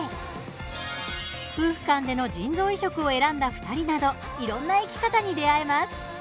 夫婦間での腎臓移植を選んだ２人などいろんな生き方に出会えます。